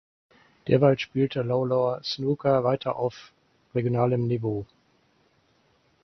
Derweil spielte Lawlor Snooker weiter auf regionalem Niveau.